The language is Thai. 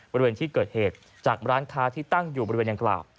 บริเวณที่เกิดเหตุจากร้านค้าที่ตั้งอยู่บริเวณดังกล่าว